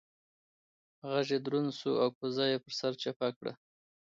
غږ يې دروند شو او کوزه يې پر سر چپه کړه.